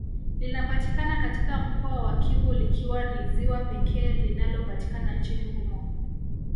Linapatikana katika mkoa wa Kivu likiwa ni ziwa pekee linalopatikana nchini humo